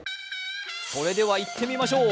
それではいってみましょう！